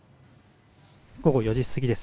午後４時過ぎです。